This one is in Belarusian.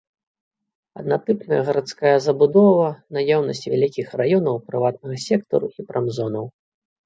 Аднатыпная гарадская забудова, наяўнасць вялікіх раёнаў прыватнага сектару і прамзонаў.